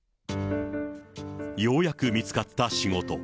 ようやく見つかった仕事。